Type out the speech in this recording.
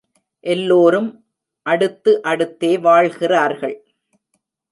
எல்லோரும் அடுத்து அடுத்தே வாழ்கிறார்கள்.